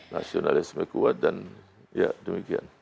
nasionalisme kuat dan ya demikian